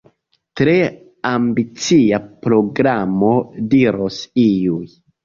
Tre ambicia programo, diros iuj.